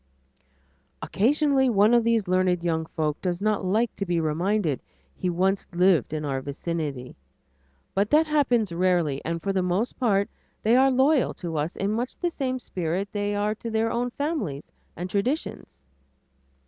Occasionally one of these learned young folk does not like to be reminded he once lived in our vicinity, but that happens rarely, and for the most part they are loyal to us in much the same spirit as they are to their own families and traditions.